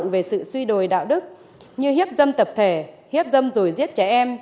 về sự suy đổi đạo đức như hiếp dâm tập thể hiếp dâm rồi giết trẻ em